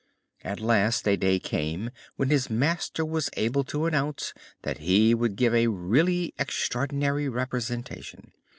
At last a day came when his master was able to announce that he would give a really extraordinary representation.